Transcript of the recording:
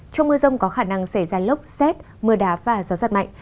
trong mưa rông có khả năng xảy ra lốc xét mưa đá và gió giật mạnh